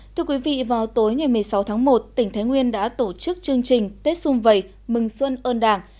thưa quý vị vào tối ngày một mươi sáu tháng một tỉnh thái nguyên đã tổ chức chương trình tết xung vầy mừng xuân ơn đảng